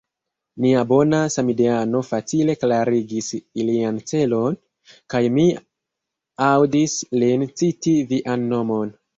Nia bona samideano facile klarigis ilian celon; kaj mi aŭdis lin citi vian nomon.